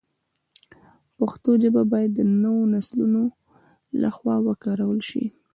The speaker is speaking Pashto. پښتو ژبه باید د نویو نسلونو له خوا وکارول شي.